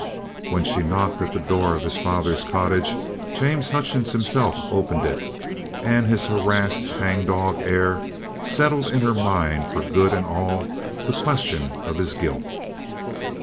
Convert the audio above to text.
When she knocked at the door of his father's cottage James Hutchings himself opened it, and his harassed, hang dog air settled in her mind for good and all the question of his guilt.